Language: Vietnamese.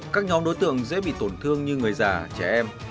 các nhóm đối tượng dễ bị tổn thương như người già trẻ em